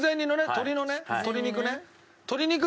鶏のね鶏肉ね。